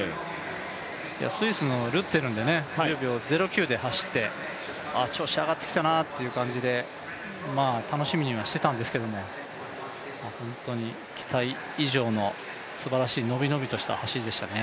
スイスで１０秒０９で走って、調子上がってきたなという感じで、楽しみにはしてたんですけども、本当に期待以上のすばらしい、のびのびとした走りでしたね。